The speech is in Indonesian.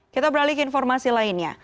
kita beralih ke informasi lainnya